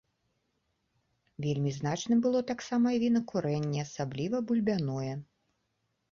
Вельмі значным было таксама і вінакурэнне, асабліва бульбяное.